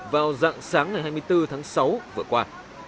vào dạng sáng ngày hai mươi bốn tháng sáu vừa qua